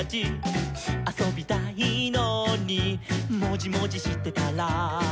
「あそびたいのにもじもじしてたら」